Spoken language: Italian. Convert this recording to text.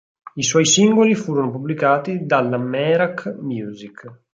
I suoi singoli furono pubblicati dalla Merak Music.